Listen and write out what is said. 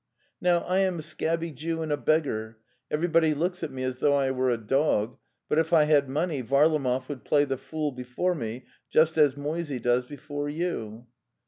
Now, I am a scabby Jew and a beggar. Everybody looks at me as though I were a dog, but if I had money Varlamov would play the fool before me just as Moisey does before you."